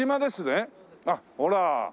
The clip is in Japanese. あっほら。